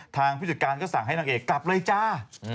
ผู้จัดการก็สั่งให้นางเอกกลับเลยจ้า